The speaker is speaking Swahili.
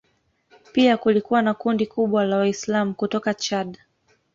Pia kulikuwa na kundi kubwa la Waislamu kutoka Chad.